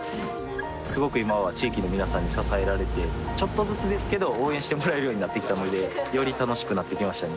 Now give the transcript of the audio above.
すごく今は地域の皆さんに支えられてちょっとずつですけど応援してもらえるようになってきたのでより楽しくなってきましたね